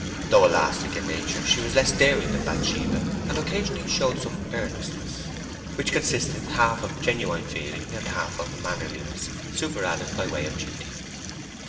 Though elastic in nature she was less daring than Bathsheba, and occasionally showed some earnestness, which consisted half of genuine feeling, and half of mannerliness superadded by way of duty.